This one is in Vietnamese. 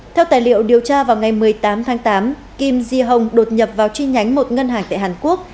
theo tài liệu điều tra vào ngày một mươi tám tháng tám kim di hồng đột nhập vào chi nhánh một ngân hàng tại hàn quốc